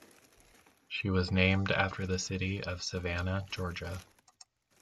She was named after the city of Savannah, Georgia.